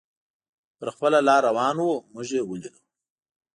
پر خپله لار روان و، موږ یې ولیدو.